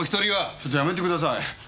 ちょっとやめてください。